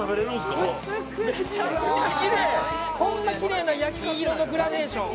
こんなきれいな焼き色のグラデーション。